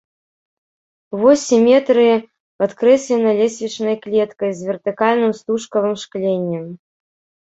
Вось сіметрыі падкрэслена лесвічнай клеткай з вертыкальным стужкавым шкленнем.